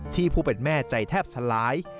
ผู้เป็นแม่ใจแทบสลาย